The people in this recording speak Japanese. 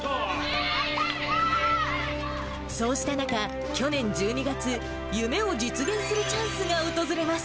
そうした中、去年１２月、夢を実現するチャンスが訪れます。